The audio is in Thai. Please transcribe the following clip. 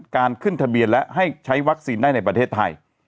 การขึ้นทะเบียนและให้ใช้วัคซีนได้ในประเทศไทย